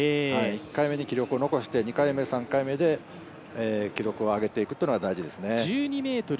１回目記録を残して、２回目、３回目で記録を上げていくのが大事ですね。